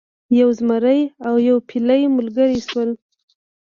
یو زمری او یو فیلی ملګري شول.